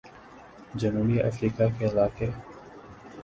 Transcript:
جنوبی افریقہ کے علاقہ